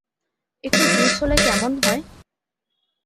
একটু জুস হলে কেমন হয়?